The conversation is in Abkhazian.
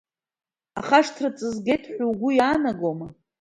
Ахашҭра ҵызгеит ҳәа угәы иаанагома?